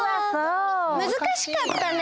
むずかしかったね。